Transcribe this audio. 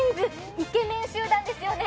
イケメン集団ですよね。